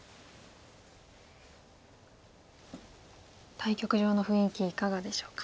対局場の雰囲気いかがでしょうか？